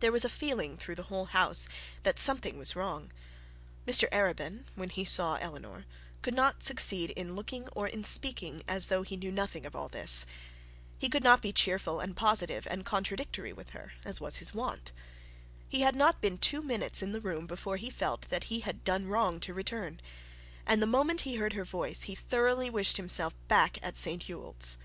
There was a feeling through the whole house that something was wrong. Mr Arabin, when he saw Eleanor, could not succeed in looking or in speaking as though he knew nothing of all this. He could not be cheerful and positive and contradictory with her, as was his wont. He had not been two minutes in the room before he felt that he had done wrong in return; and the moment he heard her voice, he thoroughly wished himself back at St Ewold's.